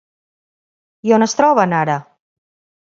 I on es troben, ara?